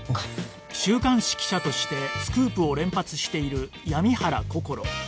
週刊誌記者としてスクープを連発している闇原こころ